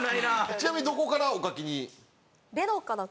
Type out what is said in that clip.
ちなみにどこからお描きに？